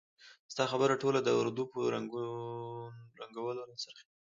ستا خبره ټول د اردو په ړنګولو را څرخیږي!